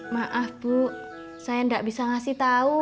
maaf bu saya gak bisa ngasih tau